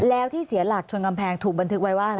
แล้วที่เสียหลักชนกำแพงถูกบันทึกไว้ว่าอะไร